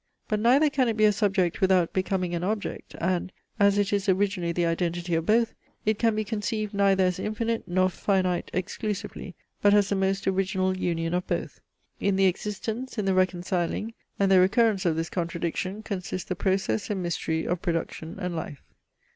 But neither can it be a subject without becoming an object, and, as it is originally the identity of both, it can be conceived neither as infinite nor finite exclusively, but as the most original union of both. In the existence, in the reconciling, and the recurrence of this contradiction consists the process and mystery of production and life.